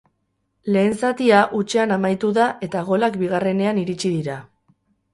Lehen zatia hutsean amaitu da eta golak bigarrenean iritsi dira.